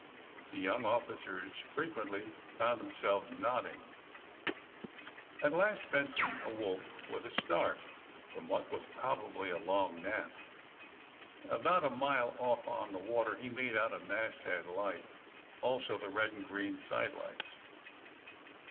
The young officers frequently found them selves nodding. At last Benson awoke with a start from what was |>robably a long nap. About a mile oft' on the water he made out a masthead light, also the red and green side lights.